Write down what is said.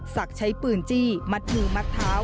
ใช้ปืนจี้มัดมือมัดเท้า